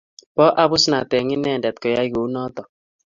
Pa abusnat eng inendet koyay kou notok